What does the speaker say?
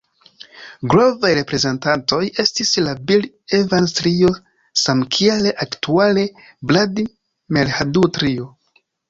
Gravaj reprezentantoj estis la Bill-Evans-Trio samkiel aktuale Brad-Mehldau-Trio.